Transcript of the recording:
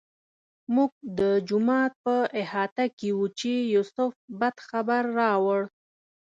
موږ د جومات په احاطه کې وو چې یوسف بد خبر راوړ.